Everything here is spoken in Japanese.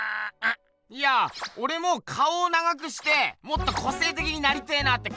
いやおれも顔を長くしてもっと個性的になりてえなって。